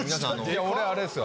・いや俺あれですよ。